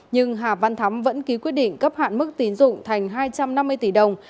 nhưng hà văn thắm vẫn ký quyết định cấp hạn mức tín dụng thành hai trăm năm mươi tỷ đồng